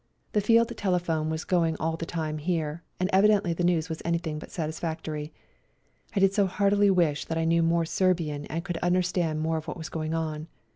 The field tele phone was going all the time here, and evidently the news was anything but satisfactory. I did so heartily wish that I knew more Serbian and could under stand more of what was going on.